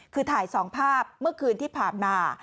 คือถ่าย๒ภาพเมื่อคืนที่ผ่านมา